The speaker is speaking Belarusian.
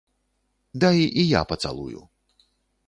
Дай і я пацалую.